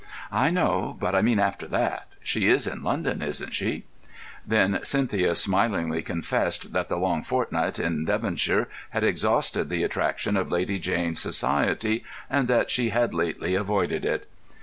"I know; but I mean after that. She is in London, isn't she?" Then Cynthia smilingly confessed that the long fortnight in Devonshire had exhausted the attraction of Lady Jane's society, and that she had lately avoided it.